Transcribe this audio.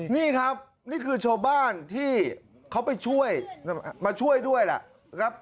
นี่ครับนี่คือชาวบ้านที่เขาไปช่วยมาช่วยด้วยแหละ